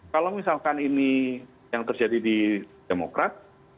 kalau misalkan ini yang terjadi di demokrat